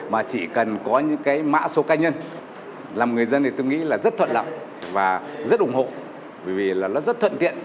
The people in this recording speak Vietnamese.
mà chỉ cần có những cái mã số cá nhân làm người dân thì tôi nghĩ là rất thuận lợi và rất ủng hộ bởi vì là nó rất thuận tiện